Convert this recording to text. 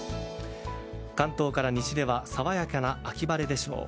関東から西では爽やかな秋晴れでしょう。